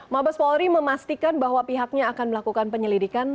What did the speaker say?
mabes polri memastikan bahwa pihaknya akan melakukan penyelidikan